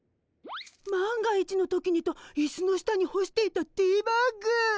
万が一の時にといすの下にほしていたティーバッグ。